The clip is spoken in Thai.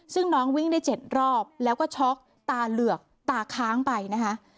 ซึ่งน้องวิ่งได้๗รอบแล้วก็ช็อกตาเหลือกตาค้างไปนะคะ